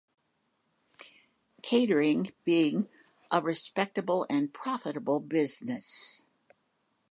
Catering being a respectable and profitable business.